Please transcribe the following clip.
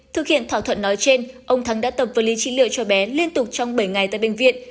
thực hiện thỏa thuận nói trên ông thắng đã tập vật lý trị liệu cho bé liên tục trong bảy ngày tại bệnh viện